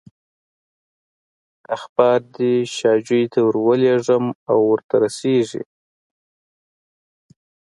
اخبار دې شاجوي ته ورولېږم او ورته رسېږي.